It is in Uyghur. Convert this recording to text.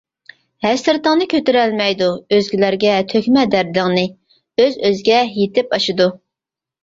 ھەسرىتىڭنى كۆتۈرەلمەيدۇ، ئۆزگىلەرگە تۆكمە دەردىڭنى، ئۆز-ئۆزىگە يېتىپ ئاشىدۇ.